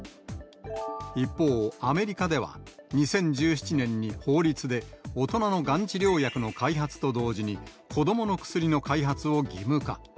一方、アメリカでは２０１７年に、法律で、おとなのがん治療薬の開発と同時に、子どもの薬の開発を義務化。